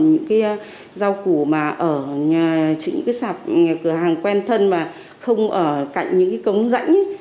những cái rau củ mà ở những cái sạp cửa hàng quen thân mà không ở cạnh những cái cống rãnh